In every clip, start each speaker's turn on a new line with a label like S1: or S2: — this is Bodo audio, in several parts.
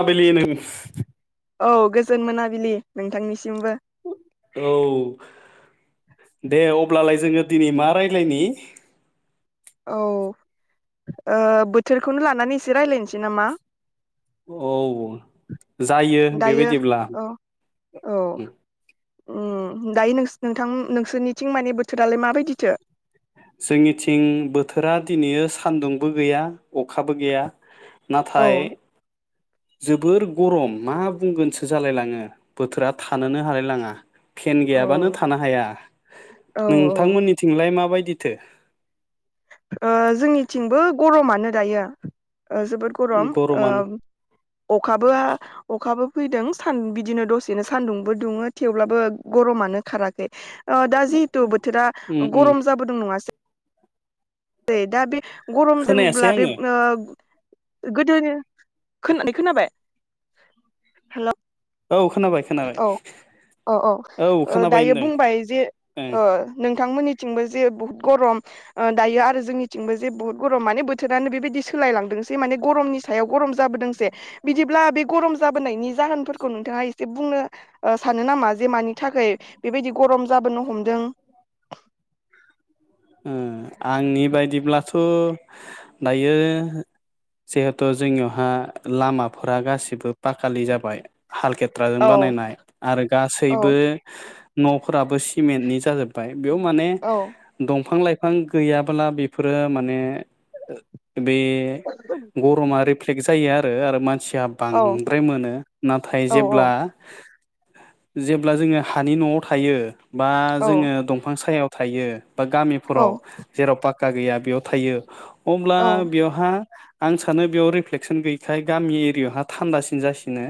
S1: माबिलि नों सु ।
S2: औ गोजोन मोनाबिलि नोंथांनिसिमबो ।
S1: औ दे अब्लालाय जोंङो दिनै मा राय्लायनि?
S2: औ ओ बोथोरखौनो लानानै एसि रायलायसै नामा?
S1: औ जायो
S2: दायो
S1: बेबायदिब्ला ।
S2: उ दायो नोंस-नोंथां नोंसोरनिथिं मानिे बोथोरालाय माबायदिथो?
S1: जोंनिथिं बोथोरा दिनैयो सान्दुंबो गैया अखाबो गैया।
S2: औ
S1: नाथाय जोबोर गरम मा बुंगोनसो जालायलाङो बोथोरा थानोनो हालाय लाङा। फेन
S2: औ
S1: गैयाबानो थानो हाया
S2: औ
S1: नोंथांमोननिथिंलाय माबाय दिथो
S2: ओ जोंनिथिंबो गरमानो दायो। ओ जोबोद गरम
S1: गरमानो
S2: ओ अखाबो अखाबो फैदों सान बिदिनो दसेनो सान्दुंबो दुङो थेवब्लाबो गरमानो खाराखै ओ दा जिहेतु बोथोरा
S1: उम उम
S2: गरम जाबोदों नङासै? दे दा बे
S1: खोनायासै
S2: गरमदोंब्ला बिब
S1: आङो
S2: ओ गोदोनि खोना खोनाबाय हेल'
S1: औ खोनाबाय खोनाबाय
S2: औ औ औ ओ
S1: खोनाबाय
S2: दायो
S1: होनदों
S2: बुंबाय जे ओ नोंथांमोननि थिंबो जे बहुत गरम ओ दायो आद जोंनिथिंबो जे बहुत गरम माने बोथोरानो बेबायदि सोलायलांदोंसै माने गरमनि सायाव गरम जाबोदोंसै बिदिब्ला बे गरम जाबोनायनि जाहोनफोरखौ नोंथाङा ए बुंनो ओ सानो नामा जे मानि थाखाय बेबायदि गरम जाबोनो हमदों
S1: उम आंनि बायदिब्लाथ' दायो जिहेथु जोंनियावहा लामाफोरा गासिबो पाकालि जाबाय हालखेथ्राजों
S2: औ
S1: बानायनाय आरो
S2: औ
S1: गासैबो न' फोराबो सिमेन्टनि जाजोबबाय बेयाव माने
S2: औ
S1: दंफां लाइफां गैयाब्ला बेफोरो माने बे गरमा रिफ्लेक जा जायो आरो आरो मानसि या
S2: औ
S1: बांद्राय मोनो नाथाय
S2: औ
S1: जेब्ला जेब्ला जोङो हानि नआव थायो बा
S2: औ
S1: जोङो दंफां सायाव थायो। बा
S2: औ
S1: गामिफोराव जेराव पाथ खा गैया बेयाव थायो। अब्ला
S2: औ
S1: बेवहा आं सानो बेयाव रिफ्लेकसन गैयिखाय गामि एरियायावहा थान्दासिन जासिनो।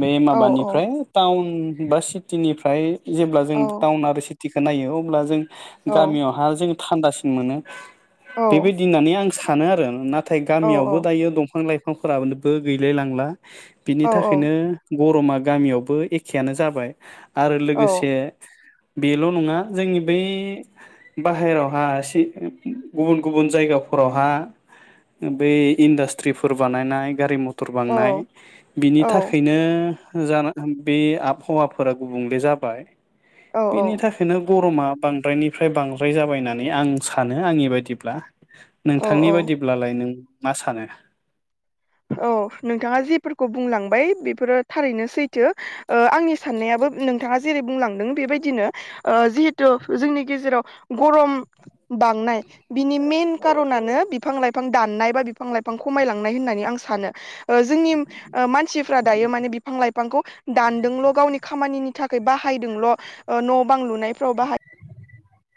S1: बे
S2: औ
S1: माबानिफ्राय टाउन बा सिटिनि फ्राय जेब्ला जों टाउन आरो सिट थिखो नायो अब्ला जों
S2: औ
S1: गामियावहा जों थान्दासिन मोनो।
S2: औ
S1: बेबायदि नानै आं सानो आरो ना नाथाय
S2: औ
S1: गामियावबो दायो दंफां लाइफां [unintelligible] गैलाय लांला। बिनि थाखायनो गरमा गामियावबो एखेयानो जाबाय। आरो लोगोसे बेल नङा जोंनि बै बाहेरावहा सि गुबुन गुबुन जायगाफोरावहा बै इन्डासट्रिफोर बानायनाय गारि मथ टर
S2: औ
S1: बांनाय बिनि
S2: औ
S1: थाखैनो जानो [unintelligible] बे आबहावाफोरा गुबुंले जाबाय।
S2: औ
S1: बेनि थाखायनो गरमा बांद्रायनि फ्राय बांद्राय जाबाय होननानै आं सानो आंनि बायदिब्ला
S2: औ
S1: नोंथांनि
S2: औ
S1: बायदिब्लालाय नों मा सानो?
S2: औ नोंथाङा जेफोरखौ बुंलांबाय बेफोरो थारैनो सैथो। ओ आंनि साननायाबो नोंथाङा जेरै बुंलांदों बेबायदिनो ओ जिहेथु जोंनि गेजेराव गरम बांनाय बिनि मेन कारनानो बिफां लाइफां दाननाय बा बिफां लाइफां खमायलांनाय होननानै आं सानो ओ जोंनि ओ मानसिफ्रा दायो माने बिफां लाइफांखौ दानदोंल गावनि खामानिनि थाखाय बाहायदोंल ओ न बां लुनायफ्राव बाहाय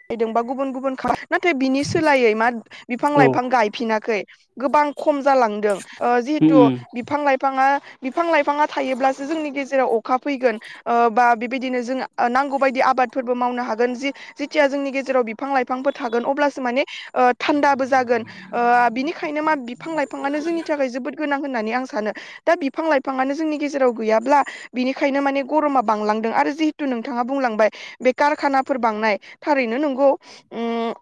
S2: [unintelligible] दोंबा गुबुन गुबुन खा नाथाय बिनि सोलायै मा बिफां
S1: औ
S2: लाइफां गायफिनाखै । गोबां खम जालांदों ओ
S1: उम
S2: जिहेथु बिफां लाइफाङा बिफां लाइफाङा थायोब्लासो जोंनि गेजेराव अखा फैगोन ओ बा बेबायदिनो जों नांगौ बायदि आबादफोरबो मावनो हागोन जि जि जिथिया जोंनि गेजेराव बिफां लाइफांफोर थागोन अब्लासो माने ओ थान्दाबो जागोन ओ बिनिखायनो मा बिफां लाइफाङानो जोंनि थाखाय जोबोद गोनां होननानै आं सानो दा बिफां लाइफाङानो जोंनि गेजेराव गैयाब्ला बिनिखायनो माने गरमा बांलांदों आरो जिहेथु नोंथाङा बुंलांबाय बे कारखानाफोर बांनाय थारैनो नंगौ ओम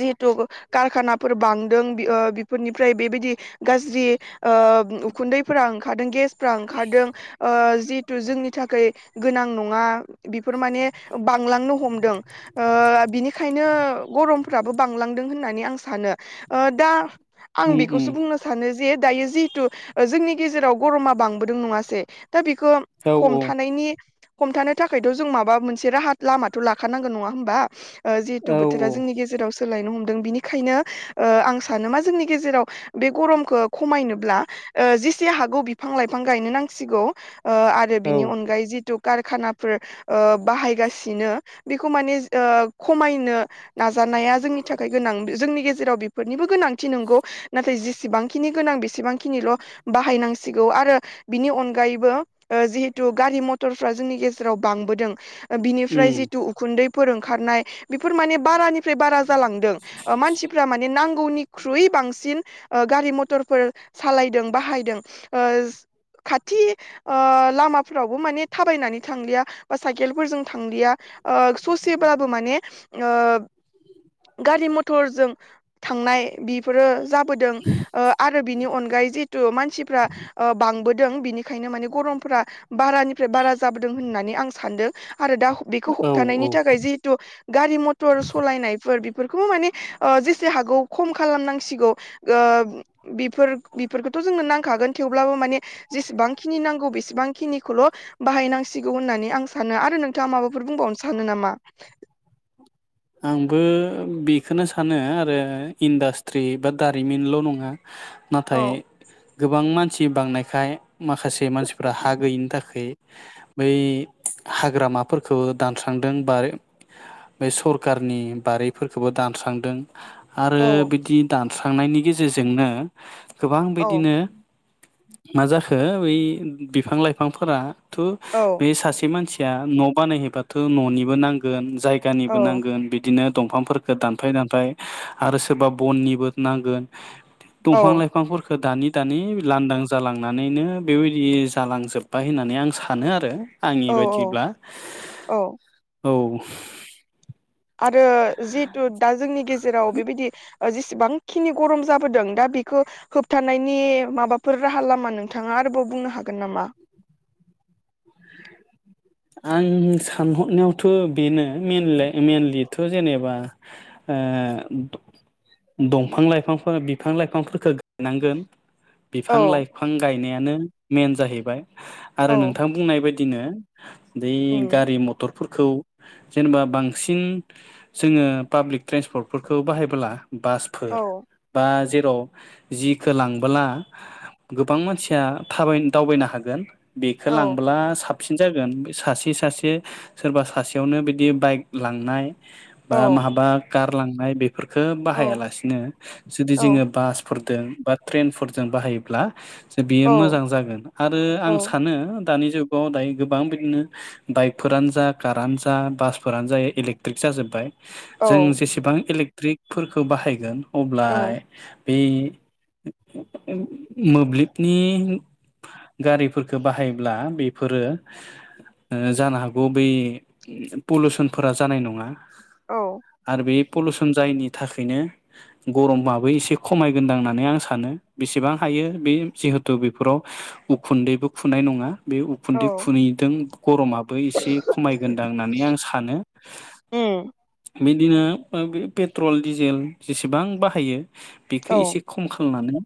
S2: जिहेथु कारखानाफोर बांदों ओ बेफोरनिफ्राय बेबायदि गाज्रि ओ उखुन्दैफोरा ओंखारदों गेस फ्रा ओंखारदों ओ जिहेथु जोंनि थाखाय गोनां नङा बेफोर माने बांलांनो हमदों। ओ बिनिखायनो गरम फोराबो बांलांदों होननानै आं सानो ओ दा आं
S1: उम उम
S2: बेखौसो बुंनो सानो जे दायो जिहेतु जोंनि गेजेराव गरमा बांबोदों नङासै दा बेखो
S1: औ
S2: हमथानायनि। हमथानो थाखायथ जों माबा मोनसे राहा लामाथ लाखानांगोन नङा होमबा। ओ जिहेतु
S1: औ
S2: बोथोरा जोंनि गेजेरावस सोलायनो हमदों बिनिखायनो ओ आं सानो मा जोंनि गेजेराव बे गरमखो खमायनोब्ला जेसे हागौ बिफां लाइफां गायनो नांसिगौ। ओ आरो
S1: औ
S2: बिनि अनगायै जिटु कारखानाफोर। ओ बाहायगासिनो। बेखौ माने ओ खमायनो नाजानाया जोंनि थाखाय गोनां जोंनि गेजे जेराव बेफोरनिबो गोनांथि नंगौ नाथाय जेसेबांखिनि गोनां बेसेबांखिनिल बाहायनांसिगौ आरो बिनि अनगायैबो ओ जिहेतु गारि मथरफ्रा जोंनि गेजेराव बांबोदों। बिनिफ्राय
S1: उम
S2: जिटु उखुन्दै। फोर ओंखारनाय बेफोर माने बारानिफ्राय बारा। जालांदों ओ मानसिफ्रा माने नांगौनि ख्रुय बांसिन ओ गारि मथरफोर सालायदों बाहायदों ओ खाथि ओ लामाफ्रावबो माने थाबायनानै थांलिया बा साइकेलफोरजों थांलिया ओ ससेबाबो माने। ओ गारि मथरजों। थांनाय बिफोरो जाबोदों ओ आरो बिनि अनगायै जिहेथु मानसिफ्रा ओ बांबोद दों बिनिखायनो माने गरमफ्रा बारानिफ्राय बारा जाबोदों होननानै आं सानदो। आरो दा हब-बेखौ
S1: औ औ
S2: होबथानायनि थाखाय जिहेतु गारि मथर सलायनायफोर बिफ फोरखौ माने ओ जेसे हागौ खम खालामनांसिगौ ओ बेफोर बेफोरखोथ जोंनो नांखागोन थेवब्लाबो माने जेसेबांखि नांगौ बेसेबांखिनिखोल बाहायनांसिगौ होननानै आं सानो आरो नोंथाङा माबाफोर बुंबावनो सा मोनो नामा।
S1: आंबो बिखोनो सानो आरो इन्डास्ट्रि बा दारिमिनल नङा। नाथाय
S2: औ
S1: गोबां मान थि बांनायखाय माखासे मानसिफ्रा हा गैयिनि थाखै बै हाग्रामाफोरखौ दानस्रांदों बा बे सरक कारनि बारिफोरखोबो दानस्रांदों। आरो बिदि दान थांनायनि गेजेरजोंनो गोबां
S2: औ
S1: बिदिनो मा जाखो बै बिफां लाइफांफोरा थु
S2: औ
S1: बे सासे मानसि या न बानायहैबाथ ननिबो नांगोन
S2: औ
S1: जायगानिबो नांग बिदिनो दंफांफोरखो दानफाय दानफाय आरो सोरबा बननिबो नांगोन दंफां
S2: औ
S1: लाइफांफोरखो दानै दानै लांदां जालांनानैनो बेबायदि जालांजोब्बाय होननानै आं सानो आरो आंनि
S2: औ
S1: बायदिब्ला
S2: औ
S1: औ
S2: आरो जितु दा जोंनि गेजे जेराव बेबायदि जेसेबांखिनि गरम जाबोदों दा बिखो होबथानायनि माबाफोर राहा लामा नोंथांङा आरोबाव बुंनो हागोन नामा
S1: आं सानहरनायावथ बेनो मेनले मेनलित थ जेनेबा ओ दंफां लाइफांफोर बिफां लाइफांफोरखो गायनांगोन।
S2: औ
S1: बिफां लाइफां गायनाया नो मेन जाहैबाय आरो
S2: औ
S1: नोंथां बुंनाय बाय दिनो दै
S2: उम
S1: गारि मथर फोरखौ जेनेबा बांसिन जोंङो पाब्लिक ट्रेन्सपर्टफोरखौ बाहायबोला बासफोर
S2: औ
S1: बा जे [unintelligible] जिखौ लांबोला गोबां मानसिया थाबाय दावबायनो हागोन बेखो
S2: औ
S1: लांब्ला साब जागोन बे सासे सासे सोरबा सासेयावनो बिदि बाइक लांनाय
S2: औ
S1: बा माहाबा गारलांनाय बे फोरखो
S2: औ
S1: बाहाया लासिनो जुदि
S2: औ
S1: जोंङो बासफोर जों बा ट्रेनफोरजों बाहायोब्ला जे बियो
S2: औ
S1: मोजां जागोन आरो
S2: औ
S1: आं सानो दानि जुगाव दायो गोबां बिदिनो बाइकफोरानो जा कारानो जा बासफोरानो जायो इलेकट्रिक जाजोब्बाय जों जेसेबां इलेक ट्रिकफोरखौ बाहायगोन अब्ला
S2: औ
S1: बे मोब्लिबनि गारिफोरफोरखौ बाहायोब्ला बेफोरो जानो हागौ बै पुलुउसनफोरा जानाय नङा । आरो बे पलुसन जायैनि थाखायनो गरमाबो एसे खमायगोनदां होननानै आं सानो बेसेबां हायो बे जिहेथु बेफोराव उखुन्दैबो खुनाय नङा बे उखुन्दै
S2: औ
S1: फुनहैदों गरमाबो एसे खमायगोनदां होननानै आं सानो।
S2: उम
S1: बिदिनो पेट्रल डिजेल जेसेबां बाहायो बेखौ
S2: औ
S1: एसे खम खालामनानै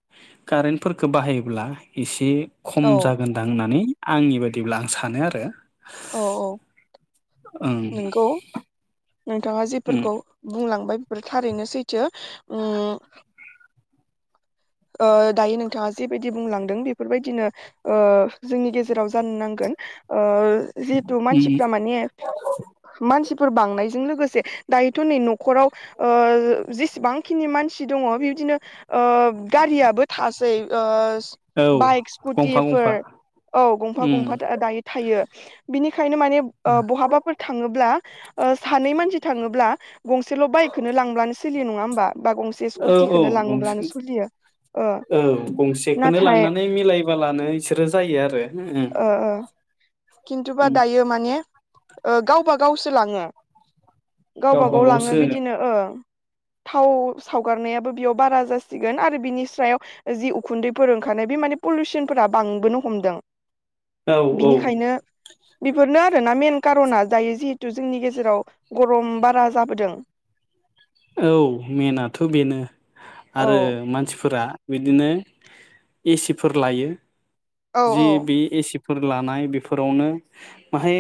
S1: कारेन्टफोरफोरखौ बाहायोब्ला एसे खम
S2: औ
S1: जागोनदां होननानै आंनि बायदि बिदिब्ला आं सानो आरो
S2: औ औ
S1: ओं
S2: नोंगौ नोंथाङा
S1: उम
S2: जेफोरखौ बुंलांबाय फोर थारैनो सै च उ दायो नोंथाङा जेबायदि बुंलांदों बेफोरबायदिनो जोंनि गेजेराव जानो नांगोन ओ जिहेथु
S1: उम
S2: मानसिफ्रा माने मानसिफ फोर बांनायजों लोगोसे दायोथ नै नखराव ओ जेसेबांखिनि मानसि दङ बिबदिनो ओ गारियाबो थास जै ओ
S1: औ
S2: बाइक
S1: गंफा
S2: स्कुटिफोर
S1: गंफा
S2: औ गंफा
S1: उम
S2: गंफा दा-दायो थायो बिनिखायनो माने बहाबाफोर थाङोब्ला सानै मानसि थाङोब्ला गंसेल बाइकखौनो लांब्लानो सोलियो नङा होमबा बा गंसे
S1: औ औ
S2: स्कुटिखोनो लाङोब्लानो
S1: गंसे
S2: सोलियो ओ
S1: औ गंसेखोनो
S2: नाथाय
S1: लांनानै मिलायबालानो बिसोरो जायो आरो उम
S2: ओ ओ खिन्थुबा
S1: उम
S2: दायो माने गावबा गावसो लाङो
S1: गावबा
S2: गावबागाव लाङो
S1: गावसो
S2: बिदिनो ओ थाव सावगारनायाबो बेयाव बारा जासिगोन आरो बिनि सायाव जि उखुन्दैफोर ओंखारनाय बे माने पलिउसनफोरा बांबोनो हमदों।
S1: औ औ
S2: खायनो बिफोरनो मेन कारना जायो जिहेथु जोंनि गेजेराव गरम बारा जाबोदों।
S1: औ मेनाथ बेनो।
S2: औ
S1: आरो मानसिफोरा बिदिनो एसिफोर लायो।
S2: औ
S1: जि बि एसिफ फोर लानाय बेफोरावनो माहाय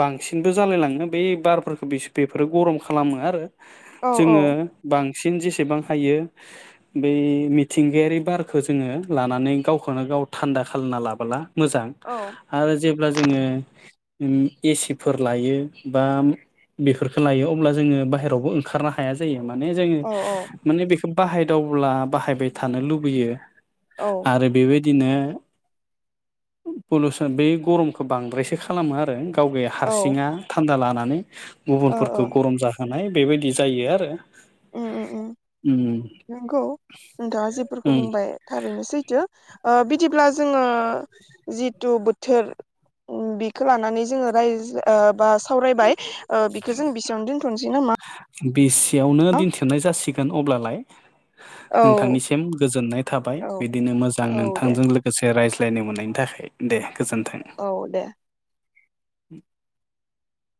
S1: बांसिनबो जालायलाङो बै बारफोरखौ बेफोरो गरम खालामो आरो
S2: औ औ
S1: जोङो बां सिन जेसेबां हायो बै मिथिंगायारि बारखौ जोङो लानानै गावखौनो गाव थान्दा खालामना लाबोला मोजां
S2: औ
S1: आरो जेब्ला जोङो। उम एसिफोर लायो बा बेफोरखो लायो अब्ला जोङो बाहहेरायावबो ओंखारनो हा हाया जायो। माने जों
S2: औ
S1: माने बेखौ बाहाय। दावब्ला बाहायबाय थानो लुबैयो।
S2: औ
S1: आरो बेबायद बिदिनो। पलुसन बे गरमखौ बांद्रायसो खालामो आरो गावगाया
S2: औ
S1: हारसिङा थान्दा लाना माने।
S2: ओ
S1: गुबुनफोरखौ
S2: ओ
S1: गरम जाहोनाय बेबायदि जायो आरो
S2: उम उम उम
S1: उम
S2: नंगौ नोंथाङा जेफोरखौ
S1: उम
S2: बुंबाय थारैनो सैथो ओ बिदिब्ला जोङो जिथु बोथोर बेखौ लानानै जोङो रायज ओ बा सावरायबाय ओ बेखो जों बिसिआवनो दोनथनोसै नामा?
S1: बिस सेयावनो दिन्थिनाय जासिग [unintelligible] अब्लालाय
S2: औ
S1: नोंथांनिसिम गोजोननाय थाबाय
S2: औ
S1: बिदिनो मोजां
S2: औ दे
S1: नोंथांजों लोगोसे रायज्लाय। लायनो मोननायनि थाखाय दे। गोजोन्थों।
S2: औ दे
S1: [unintelligible]